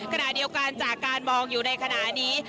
ขณะเดียวกันจากการมองอยู่ในขณะนี้